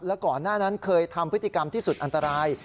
แล้วก่อนหน้านั้นเคยทำพฤติกรรมที่สุดอันตราย